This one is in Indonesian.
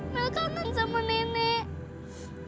mel kanan sama nenek